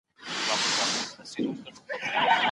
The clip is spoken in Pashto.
بد مدیریت کولی شي پروژه ناکامه کړي که پلان روښانه نه وي.